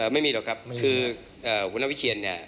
ไม่มีหรอกครับคือหัวหน้าวิเชียนเนี่ย